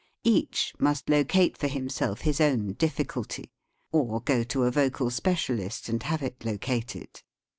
Each must locate for himself his own difficulty, or go to a vocal specialist and have it located.